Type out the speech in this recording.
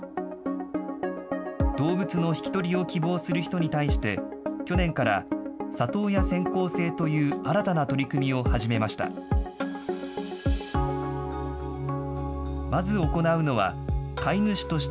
動物の引き取りを希望する人に対して、去年から、里親選考制という新たな取り組みを始めました。